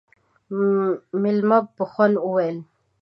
مېلمه په خوند وويل: